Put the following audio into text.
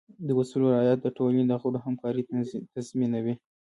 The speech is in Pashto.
د اصولو رعایت د ټولنې د غړو همکارۍ تضمینوي.